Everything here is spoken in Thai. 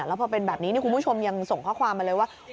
แล้วพอเป็นแบบนี้คุณผู้ชมยังส่งข้อความมาเลยว่า